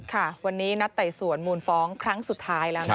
ค่ะวันนี้นัดไต่สวนมูลฟ้องครั้งสุดท้ายแล้วนะคะ